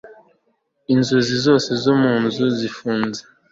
inzugi zose zo munzu zifunze